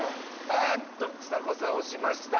あーっとちさ子さん押しました。